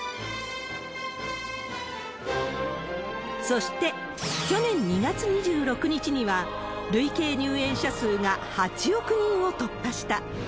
そして、去年２月２６日には、累計入園者数が８億人を突破した。